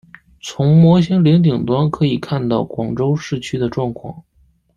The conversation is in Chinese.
从摩星岭顶端可以看到广州市区的状况。